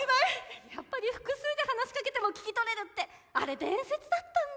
やっぱり複数で話しかけても聞き取れるってあれ伝説だったんだ。